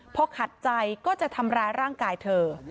พอขัดใจก็จะทำร้ายร่างกายเธอ